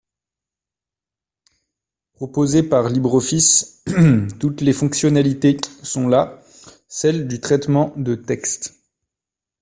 proposée par LibreOffice: toutes les fonctionnalités sont là, celles du traitement de texte